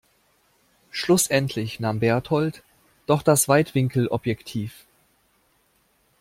Schlussendlich nahm Bertold doch das Weitwinkelobjektiv.